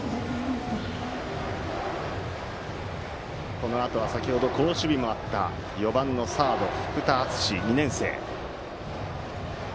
このあとは先程好守備もあった４番サード、福田敦士２年生。